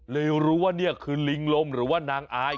รู้ว่านี่คือลิงลมหรือว่านางอาย